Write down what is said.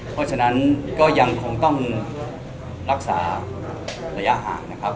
เพราะฉะนั้นก็ยังคงต้องรักษาระยะห่างนะครับ